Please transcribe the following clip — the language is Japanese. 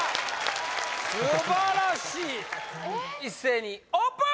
素晴らしい一斉にオープン！